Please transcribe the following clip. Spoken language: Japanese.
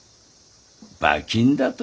馬琴だと？